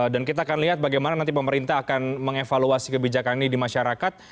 dan kita akan lihat bagaimana nanti pemerintah akan mengevaluasi kebijakan ini di masyarakat